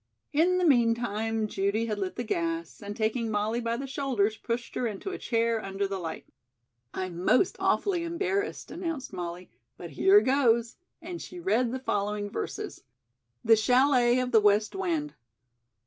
In the meantime, Judy had lit the gas, and taking Molly by the shoulders, pushed her into a chair under the light. "I'm most awfully embarrassed," announced Molly, "but here goes," and she read the following verses: The Chalet of the West Wind.